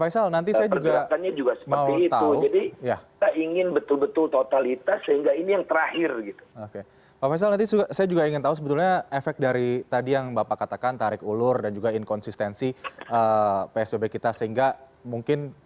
sebagian besar pekerja di jakarta cukup banyak